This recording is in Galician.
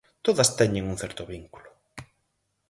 Todas teñen un certo vínculo.